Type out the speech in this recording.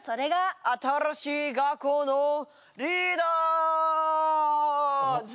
新しい学校のリーダーズ。